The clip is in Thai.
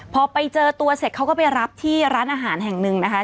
พอไปเจอตัวเสร็จเขาก็ไปรับที่ร้านอาหารแห่งหนึ่งนะคะ